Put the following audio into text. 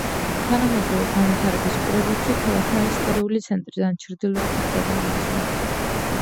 თანამედროვე განვითარების პირობებში, ქალაქმა ისტორიული ცენტრიდან ჩრდილოეთით გადაინაცვლა.